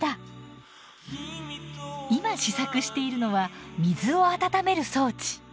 今試作しているのは水を温める装置。